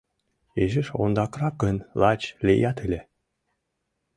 Изиш ондакрак гын, лач лият ыле.